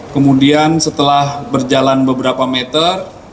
kemudian setelah berjalan beberapa meter